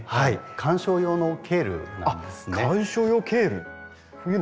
観賞用のケールなんですね。